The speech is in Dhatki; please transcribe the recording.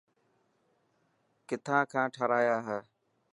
ڪٿان کان ٺاهرايا هي.